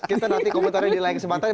kita nanti komentarnya dilayang kesempatan